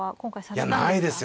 いやないですよ。